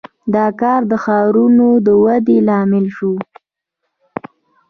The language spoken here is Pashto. • دا کار د ښارونو د ودې لامل شو.